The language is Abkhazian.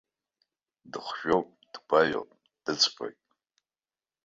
Дыхжәоуп, дгәаҩоуп, дыҵҟьоит.